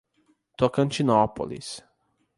Tocantinópolis